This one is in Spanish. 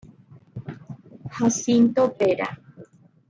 Jacinto Vera.